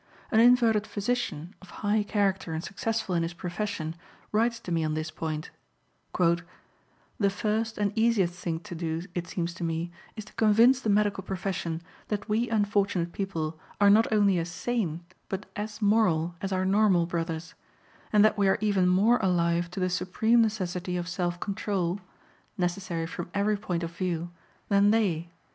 An inverted physician, of high character and successful in his profession, writes to me on this point: "The first, and easiest, thing to do, it seems to me, is to convince the medical profession that we unfortunate people are not only as sane, but as moral, as our normal brothers; and that we are even more alive to the supreme necessity of self control (necessary from every point of view) than they.